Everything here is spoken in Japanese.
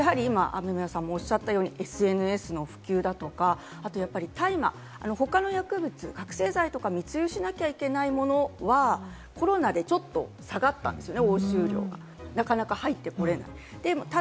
雨宮さんもおっしゃったようにＳＮＳの普及だとか、他の薬物、覚醒剤や密輸しなきゃいけないものはコロナでちょっと下がったんですよね。